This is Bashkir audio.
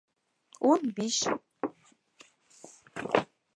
Ун биш